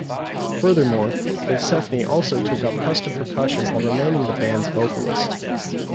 Furthermore, Colsefni also took up custom percussion while remaining the band's vocalist.